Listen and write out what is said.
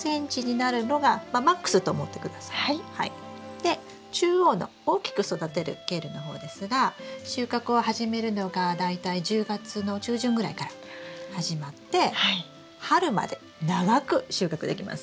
で中央の大きく育てるケールの方ですが収穫を始めるのが大体１０月の中旬ぐらいから始まって春まで長く収穫できます。